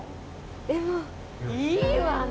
でもいいわね